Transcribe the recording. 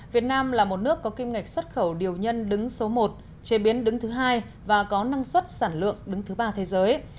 việt nam là một nước có kim ngạch xuất khẩu điều nhân đứng số một chế biến đứng thứ hai và có năng suất sản lượng đứng thứ ba thế giới